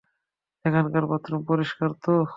এখানকার বাথরুম পরিষ্কার তো?